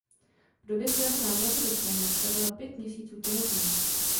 V době svého návratu do Španělska byla pět měsíců těhotná.